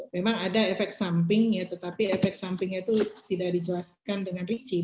memang ada efek samping ya tetapi efek sampingnya itu tidak dijelaskan dengan richie